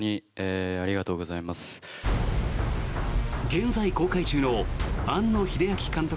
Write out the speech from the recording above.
現在公開中の庵野秀明監督